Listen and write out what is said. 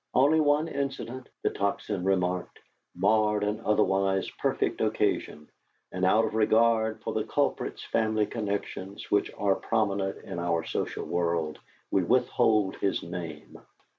Only one incident," the Tocsin remarked, "marred an otherwise perfect occasion, and out of regard for the culprit's family connections, which are prominent in our social world, we withhold his name.